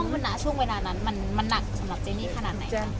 คุณนะช่วงเวลานั้นมันหนักสำหรับเจนี่ขนาดไหน